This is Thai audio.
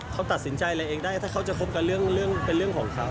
เขาตัดสินใจอะไรเองได้ถ้าเขาจะคบกันเรื่องเป็นเรื่องของเขา